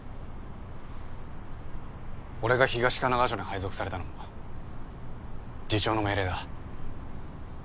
俺が東神奈川署に配属されたのも次長の命令だ。